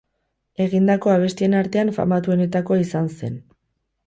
Egindako abestien artean famatuenetakoa izan zen.